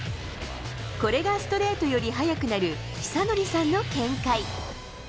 これがストレートより速くなる尚成さんの見解。